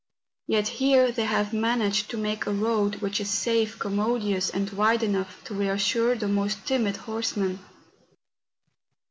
Yet here they have managed to make a road, which is safe, commodious, and wide enough to reassure the most timid horseman.